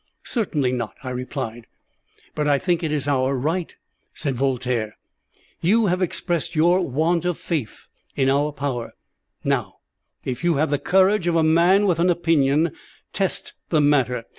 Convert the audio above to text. "Certainly not," I replied. "But I think it our right," said Voltaire. "You have expressed your want of faith in our power; now, if you have the courage of a man with an opinion, test the matter.